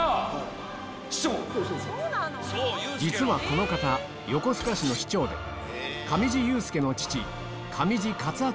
実はこの方横須賀市の市長で上地雄輔の父上地克明